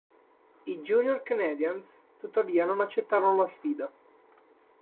I Junior Canadiens tuttavia non accettarono la sfida.